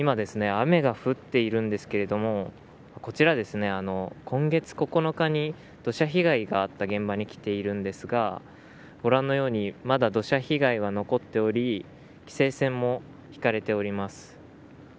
雨が降っているんですけれどもこちらですね、今月９日に土砂被害があった現場に来ているんですがご覧のようにまだ土砂被害が残っており規制線も引かれております。